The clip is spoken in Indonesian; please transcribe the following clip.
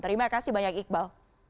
terima kasih banyak iqbal